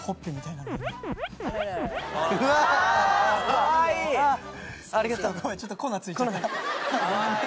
ありがとう。